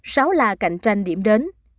sáu là cạnh tranh điểm đến